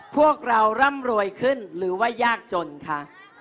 พวกเราร่ำรวยขึ้นหรือว่ายากจนคะ